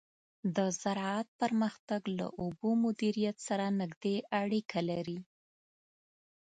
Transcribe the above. د زراعت پرمختګ له اوبو مدیریت سره نږدې اړیکه لري.